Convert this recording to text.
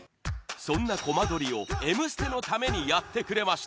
そんなコマ撮りを「Ｍ ステ」のためにやってくれました